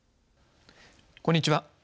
こんにちは。